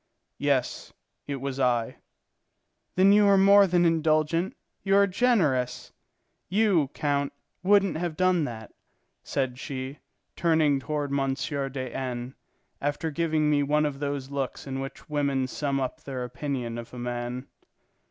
"Yes, it was I." "Then you are more than indulgent, you are generous. You, count, wouldn't have done that," said she, turning toward M. de N., after giving me one of those looks in which women sum up their opinion of a man.